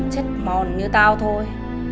chết mòn như tao thôi